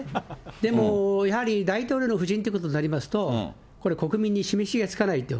でも、やはり大統領の夫人ということになりますと、これ国民に示しがつかないと。